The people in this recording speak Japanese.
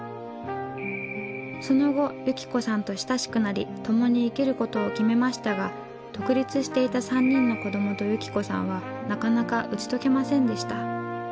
その後由紀子さんと親しくなり共に生きる事を決めましたが独立していた３人の子供と由紀子さんはなかなか打ち解けませんでした。